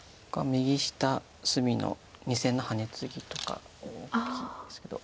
右下隅の２線のハネツギとか大きいですけど。